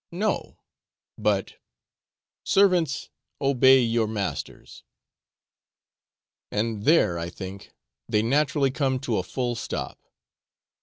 No but, 'Servants, obey your masters;' and there, I think, they naturally come to a full stop.